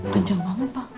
panjang banget pak